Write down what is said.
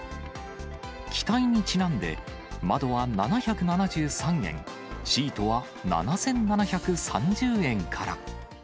機体にちなんで、窓は７７３円、シートは７７３０円から。